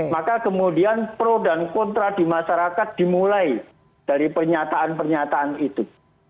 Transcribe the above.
maka kemudian pro dan kontra di masyarakat dimulai dari pernyataan pernyataan itu